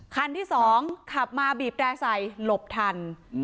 คันที่สองขับมาบีบแตร่ใส่หลบทัน